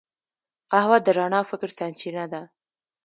قهوه د رڼا فکر سرچینه ده